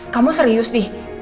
kamu serius di